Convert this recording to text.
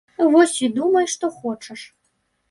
Вось і думай што хочаш.